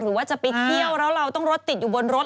หรือว่าจะไปเที่ยวแล้วเราต้องรถติดอยู่บนรถ